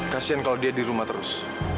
kasian kalau dia di rumah terus